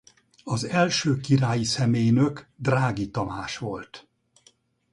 Az első királyi személynök Drági Tamás volt.